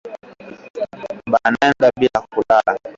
Banaenda bila kulaka